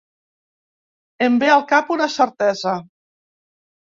Em ve al cap una certesa.